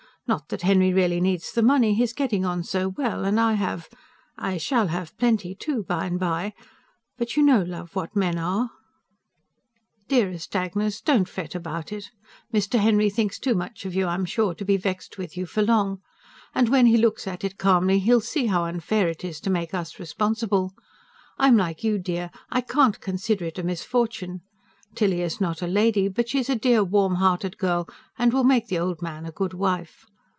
Not that Henry really needs the money; he is getting on so well; and I have.... I shall have plenty, too, by and by. But you know, love, what men are." "Dearest Agnes! ... don't fret about it. Mr. Henry thinks too much of you, I'm sure, to be vexed with you for long. And when he looks at it calmly, he'll see how unfair it is to make us responsible. I'm like you, dear; I can't consider it a misfortune. Tilly is not a lady; but she's a dear, warm hearted girl and will make the old man a good wife.